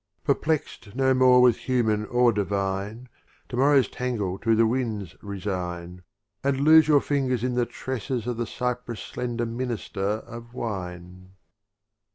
XLI. Perplext no more with Human or Divine, To morrow's tangle to the winds resign, And lose your fingers in the tresses of The Cypress slender Minister of Wine.